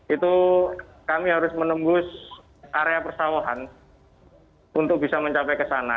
itu kami harus menembus area persawahan untuk bisa mencapai ke sana